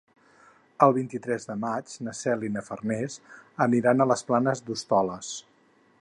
El vint-i-tres de maig na Cel i na Farners aniran a les Planes d'Hostoles.